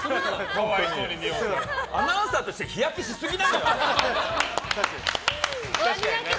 アナウンサーとして日焼けしすぎなのよ。